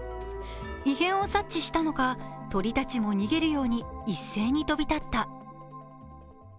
異変を察知したのか鳥たちも逃げるように一斉に飛び立った。